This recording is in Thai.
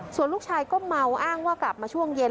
ส่วนลูกชายก็เมาอ้างว่ากลับมาช่วงเย็น